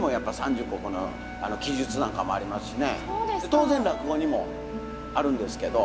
当然落語にもあるんですけど。